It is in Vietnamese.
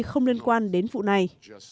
không liên quan đến vụ này